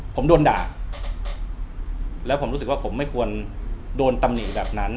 ผมโดนด่าแล้วผมรู้สึกว่าผมไม่ควรโดนตำหนิแบบนั้น